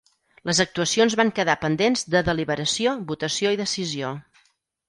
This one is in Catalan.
Les actuacions van quedar pendents de deliberació, votació i decisió.